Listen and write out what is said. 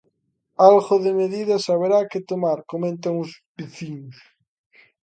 Algo de medidas haberá que tomar, comentan os veciños.